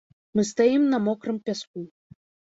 Мы стаім на мокрым пяску.